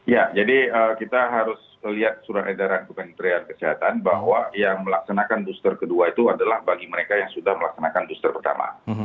ya jadi kita harus melihat surat edaran kementerian kesehatan bahwa yang melaksanakan booster kedua itu adalah bagi mereka yang sudah melaksanakan booster pertama